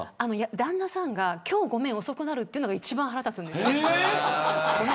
旦那さんが今日ごめん遅くなるというのが一番腹が立つ。